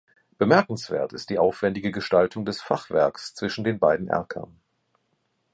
Bemerkenswert ist die aufwändige Gestaltung des Fachwerks zwischen den beiden Erkern.